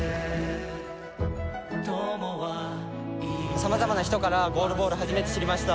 さまざまな人からゴールボール初めて知りました。